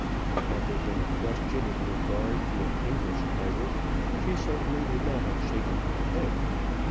Had there been a question in regard to an English title she certainly would not have shaken her head.